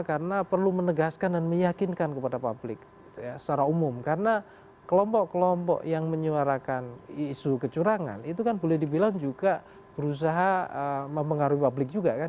karena perlu menegaskan dan meyakinkan kepada publik secara umum karena kelompok kelompok yang menyuarakan isu kecurangan itu kan boleh dibilang juga berusaha mempengaruhi publik juga kan